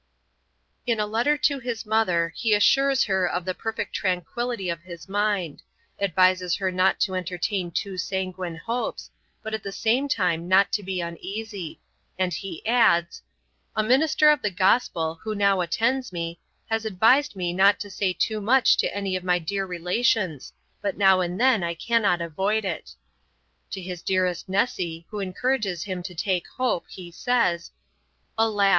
In a letter to his mother he assures her of the perfect tranquillity of his mind; advises her not to entertain too sanguine hopes, but at the same time not to be uneasy; and he adds, 'A minister of the gospel, who now attends me, has advised me not to say too much to any of my dear relations, but now and then I cannot avoid it.' To his dearest Nessy, who encourages him to take hope, he says, 'Alas!